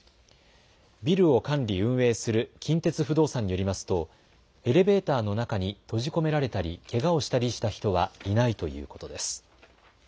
ビルを管理、運営する近鉄不動産によりますとエレベーターの中に閉じ込められたり、けがをしたりした人はいないということです。